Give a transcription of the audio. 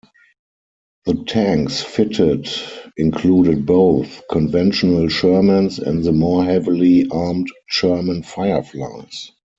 The tanks fitted included both conventional Shermans and the more heavily armed Sherman Fireflies.